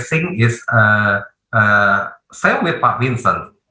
sama seperti pak vincent